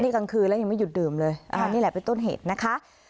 นี่กลางคืนแล้วยังไม่หยุดดื่มเลยอันนี้แหละเป็นต้นเหตุนะคะ